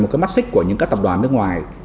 một cái mắt xích của những các tập đoàn nước ngoài